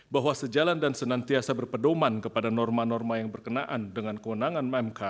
bahwa sejalan dan senantiasa berpedoman kepada norma norma yang berkenaan dengan kewenangan mk